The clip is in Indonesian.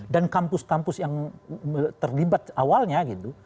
dan kampus kampus yang terlibat awalnya gitu